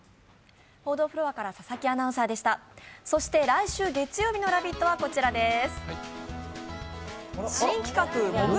来週月曜日の「ラヴィット！」はこちらです。